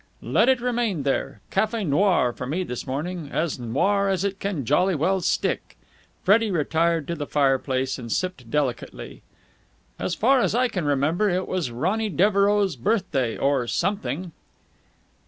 "Let it remain there. Café noir for me this morning. As noir as it can jolly well stick!" Freddie retired to the fireplace and sipped delicately. "As far as I can remember, it was Ronny Devereux' birthday or something...."